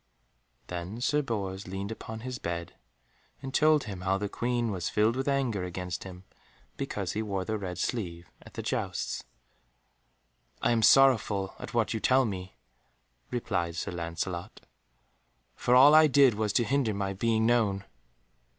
Then Sir Bors leaned upon his bed, and told him how the Queen was filled with anger against him, because he wore the red sleeve at the jousts. "I am sorrowful at what you tell me," replied Sir Lancelot, "for all I did was to hinder my being known."